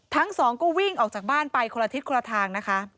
ทั้งสองก็วิ่งออกจากบ้านไปคนละทิศคนละทางนะคะ